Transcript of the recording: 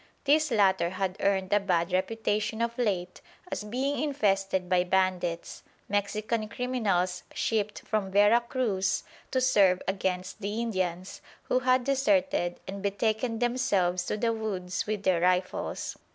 This latter had earned a bad reputation of late as being infested by bandits, Mexican criminals shipped from Vera Cruz to serve against the Indians, who had deserted and betaken themselves to the woods with their rifles.